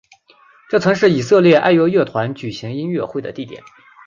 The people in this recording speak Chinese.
这曾是以色列爱乐乐团举行音乐会的地点。